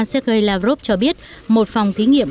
sergei lavrov cho biết một phòng thí nghiệm